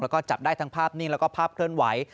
แล้วก็จับได้ทั้งภาพนิ่งแล้วก็ภาพเคลื่อนไหว